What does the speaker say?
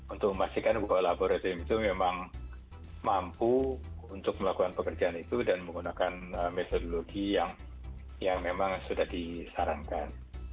untuk memastikan bahwa laboratorium itu memang mampu untuk melakukan pekerjaan itu dan menggunakan metodologi yang memang sudah disarankan